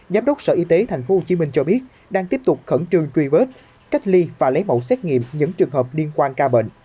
giám đốc sở y tế tp hcm cho biết đang tiếp tục khẩn trương truy vết cách ly và lấy mẫu xét nghiệm những trường hợp liên quan ca bệnh